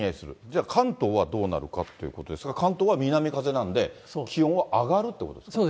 じゃあ、関東はどうなるかってことですが、関東は南風なんで、気温は上がるそうです。